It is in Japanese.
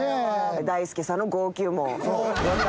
大輔さんの号泣も。